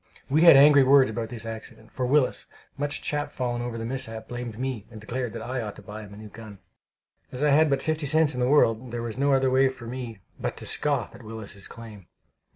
We had angry words about this accident, for Willis, much chapfallen over the mishap, blamed me, and declared that I ought to buy him a new gun. As I had but fifty cents in the world, there was no other way for me but to scoff at Willis's claim.